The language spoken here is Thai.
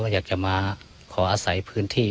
อยากจะมาขออาศัยพื้นที่